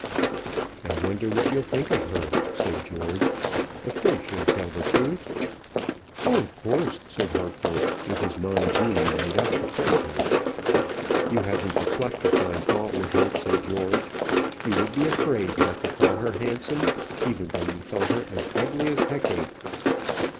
"I wonder what you'll think of her?" said George. "Of course you'll tell the truth?" "Oh, of course," said Harcourt, with his mind duly made up to praise her. "You haven't the pluck to find fault with her," said George; "you would be afraid not to call her handsome, even if you thought her as ugly as Hecate."